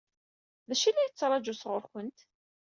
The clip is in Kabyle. D acu i la yettṛaǧu sɣur-kent?